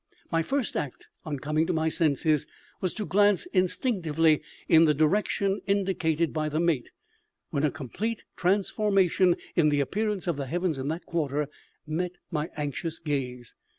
My first act, on coming to my senses, was to glance instinctively in the direction indicated by the mate, when a complete transformation in the appearance of the heavens in that quarter met my anxious gaze.